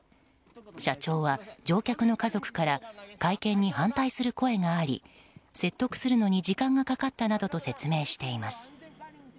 社長は乗客の家族から会見に反対する声があり説得するのに時間がかかったなどと説明しています。